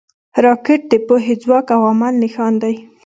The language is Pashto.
راکټ د پوهې، ځواک او عمل نښان دی